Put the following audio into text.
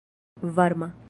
varma